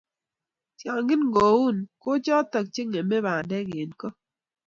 tiangik koun. ko choto chengeme bandek eng koo